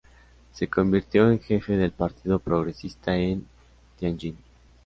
Se convirtió en jefe del Partido Progresista en Tianjin.